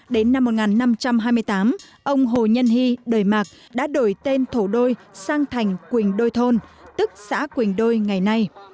đến năm một nghìn năm trăm hai mươi tám ông hồ nhân hy đời mạc đã đổi tên thủ đô sang thành quỳnh đôi thôn tức xã quỳnh đôi ngày nay